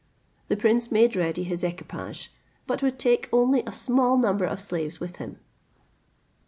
The prince made ready his equipage, but would take only a small number of slaves with him.